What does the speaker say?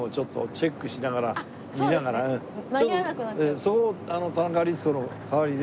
そこを田中律子の代わりで。